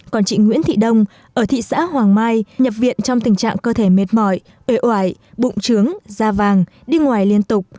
còn chị nguyễn thị đông ở thị xã hoàng mai nhập viện trong tình trạng cơ thể mệt mỏi ê oải bụng trướng da vàng đi ngoài liên tục